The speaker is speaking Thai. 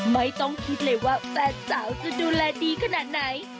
ไม่ต้องคิดเลยว่าแฟนสาวจะดูแลดีขนาดไหน